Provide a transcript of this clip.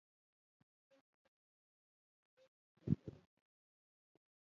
خپل فکر او خیال په خوږو او هنري الفاظو کې ترتیب کړي.